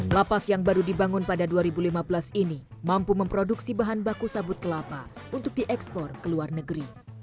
lapas yang baru dibangun pada dua ribu lima belas ini mampu memproduksi bahan baku sabut kelapa untuk diekspor ke luar negeri